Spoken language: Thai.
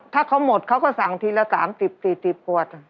ถ้าเขาหมดเขาก็สั่งทีละ๓๐๔๐ขวด